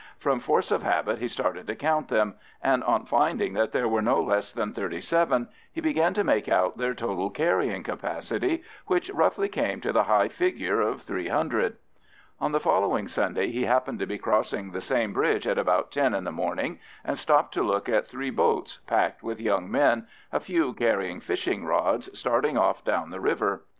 From force of habit he started to count them, and on finding that there were no less than thirty seven, he began to make out their total carrying capacity, which roughly came to the high figure of three hundred. On the following Sunday he happened to be crossing the same bridge at about ten in the morning, and stopped to look at three boats, packed with young men, a few carrying fishing rods, starting off down the river.